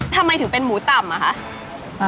ทำไมถึงเป็นหมูต่ำอะคะ